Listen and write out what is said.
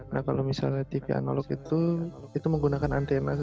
nah kalau misalnya tv analog itu menggunakan antena biasa